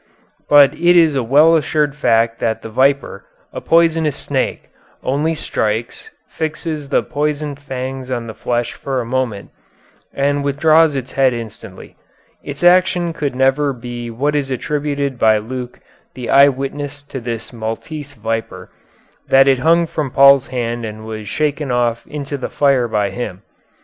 But it is a well assured fact that the viper, a poisonous snake, only strikes, fixes the poison fangs on the flesh for a moment, and withdraws its head instantly. Its action could never be what is attributed by Luke the eye witness to this Maltese viper; that it hung from Paul's hand and was shaken off into the fire by him.